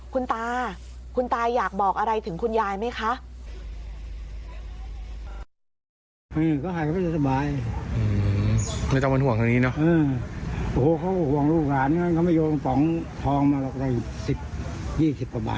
คุณตาคุณตาอยากบอกอะไรถึงคุณยายไหมคะ